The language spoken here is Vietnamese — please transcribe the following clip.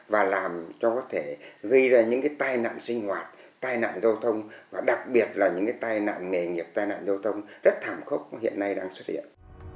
và làm cho có thể gây ra những tai nạn sinh hoạt tai nạn giao thông và đặc biệt là những tai nạn nghề nghiệp tai nạn giao thông rất thảm khốc hiện nay đang xuất hiện